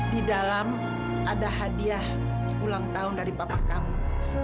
di dalam ada hadiah ulang tahun dari papa kamu